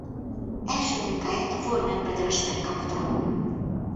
Első munkáját a Warner Brothersnél kapta.